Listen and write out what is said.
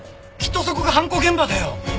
きっとそこが犯行現場だよ！